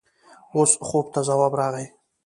اوس خوب ته ځواب راغی.